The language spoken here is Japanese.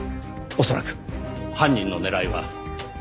恐らく犯人の狙いはこれです。